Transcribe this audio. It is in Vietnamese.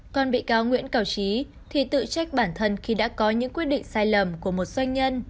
còn bị cáo nguyễn cao trí thì tự trách bản thân khi đã có những quyết định sai lầm của một doanh nhân